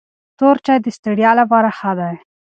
تور چای د ستړیا لپاره ښه دی.